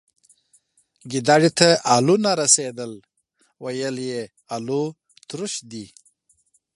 گيدړي ته الو نه رسيدل ، ويل يې الوتروش.